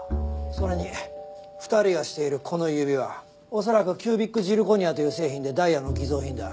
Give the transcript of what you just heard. それに２人がしているこの指輪恐らくキュービックジルコニアという製品でダイヤの偽造品だ。